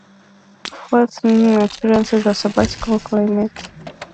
Fort McPherson experiences a subarctic climate.